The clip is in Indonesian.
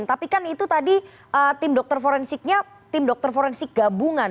tapi kan itu tadi tim dokter forensiknya tim dokter forensik gabungan